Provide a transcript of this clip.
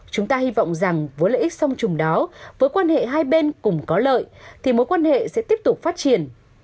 chúng ta hy vọng rằng với lợi ích song trùng đó với quan hệ hai bên cùng có lợi thì mối quan hệ sẽ tiếp tục phát triển